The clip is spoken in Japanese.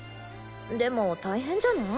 でも大変じゃない？